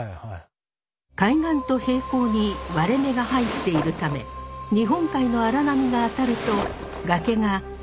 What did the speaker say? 海岸と平行に割れ目が入っているため日本海の荒波が当たると崖が板状に剥がれ落ち